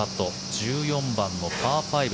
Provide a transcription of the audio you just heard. １４番のパー５。